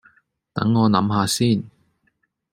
等我諗吓先